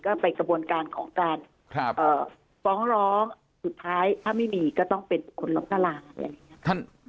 ก็ไปกระบวนการของการฟ้องร้องสุดท้ายถ้าไม่มีก็ต้องเป็นบุคคลล้มละลายอะไรอย่างนี้